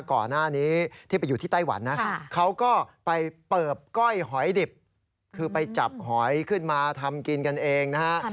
ก่อนหน้านี้ที่ไปอยู่ที่ไต้หวันนะเขาก็ไปเปิบก้อยหอยดิบคือไปจับหอยขึ้นมาทำกินกันเองนะฮะ